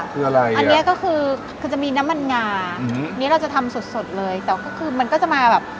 การทำกิมจิ